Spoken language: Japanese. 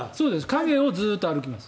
影をずっと歩きます。